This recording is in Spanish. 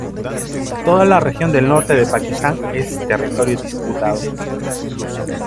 Toda la región del norte de Pakistán es territorio disputado.